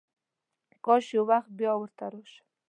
کاش یو وخت بیا ورته راشم.